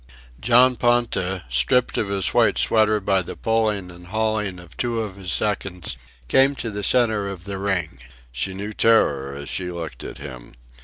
John Ponta, stripped of his white sweater by the pulling and hauling of two of his seconds, came to the centre of the ring. She knew terror as she looked at him.